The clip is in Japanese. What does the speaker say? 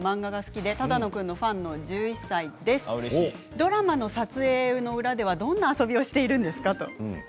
ドラマの撮影の裏ではどんな遊びをしているんですか。